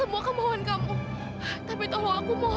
ma kayaknya khanter sama kamu